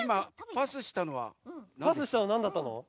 パスしたのなんだったの？